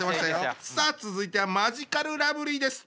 さあ続いてはマヂカルラブリーです。